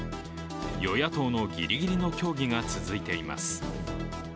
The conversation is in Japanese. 与野党のぎりぎりの協議が続いています。